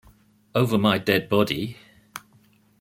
Over my dead body.